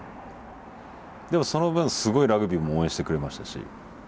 でもその分すごいラグビーも応援してくれましたし。